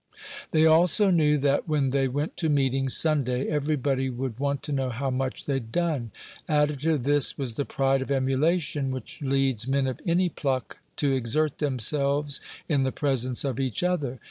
They also knew that, when they went to meeting, Sunday, everybody would want to know how much they'd done. Added to this was the pride of emulation, which leads men of any pluck to exert themselves in the presence of each other.